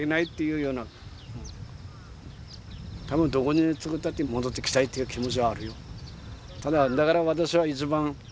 たぶんどこに作ったって戻ってきたいっていう気持ちはあるよ